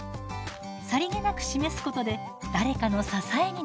さりげなく示すことで誰かの支えになるかも。